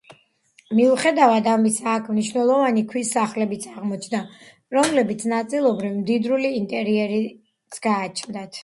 მიუხედავად ამისა, აქ მნიშვნელოვანი ქვის სახლებიც აღმოჩნდა, რომლებსაც ნაწილობრივ მდიდრული ინტერიერიც გააჩნდათ.